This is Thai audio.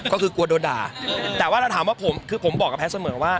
ก็คือกลัวโดนด่าแต่ว่าเราถามว่าผมคือผมบอกกับแพทย์เสมอว่า